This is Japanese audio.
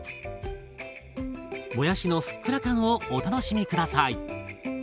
もやしのふっくら感をお楽しみ下さい。